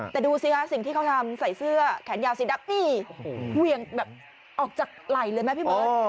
แต่ดูสิคะสิ่งที่เขาทำใส่เสื้อแขนยาวสีดำนี่เหวี่ยงแบบออกจากไหล่เลยไหมพี่เบิร์ต